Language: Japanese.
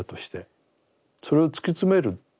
それを突き詰める。